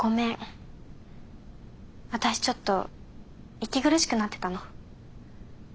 私ちょっと息苦しくなってたの。